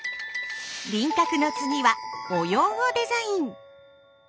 輪郭の次は模様をデザイン！